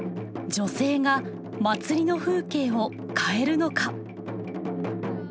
女性が祭りの風景を変えるのか。